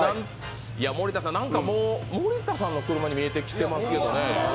森田さん、何かもう森田さんの車に見えてきてますけどね。